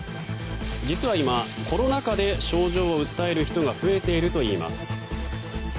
実は今、コロナ禍で症状を訴える人が増えているといいます。